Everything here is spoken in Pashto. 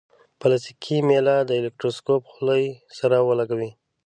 پلاستیکي میله د الکتروسکوپ خولې سره ولګوئ.